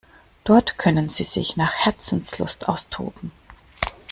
Dort können sie sich nach Herzenslust austoben.